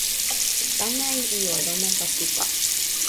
mi pana e ijo lon anpa supa